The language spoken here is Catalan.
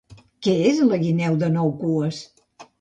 Què és la guineu de nou cues?